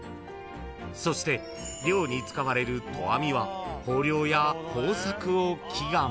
［そして漁に使われる投網は豊漁や農作を祈願］